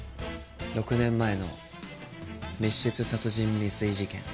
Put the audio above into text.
６年前の密室殺人未遂事件。